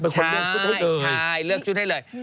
ใช่เลือกชุดให้เลย